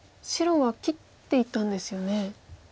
白は切っていったんですよね。